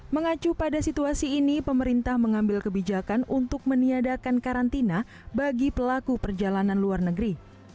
mengacu pada situasi ini pemerintah mengambil kebijakan untuk meniadakan karantina bagi pelaku perjalanan luar negeri